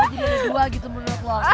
jadi ada dua gitu menurut lo